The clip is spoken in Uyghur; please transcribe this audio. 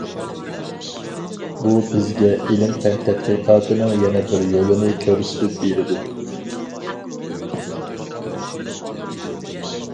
بۇ بىزگە ئىلىم- پەن تەتقىقاتىنىڭ يەنە بىر يولىنى كۆرسىتىپ بېرىدۇ.